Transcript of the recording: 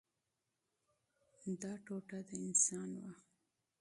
دا ټوټه د انسان وه.